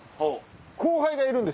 後輩がいるんです